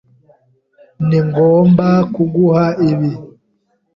Ningomba kuguha ibi?